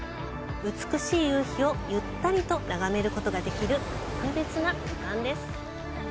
美しい夕日をゆったりと眺めることができる特別な時間です。